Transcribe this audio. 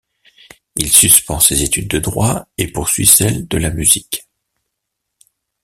Il suspend ses études de droit et poursuit celles de la musique.